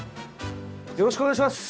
よろしくお願いします。